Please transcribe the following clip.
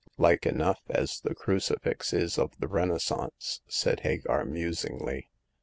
Like enough, as the cru cifix is of the Renaissance," said Hagar, musingly.